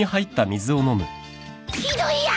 ひどいや。